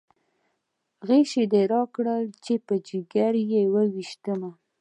غشی دې راکړه چې په ځګر یې وویشتم.